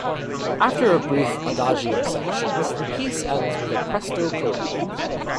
After a brief Adagio section, the piece ends with a Presto Coda.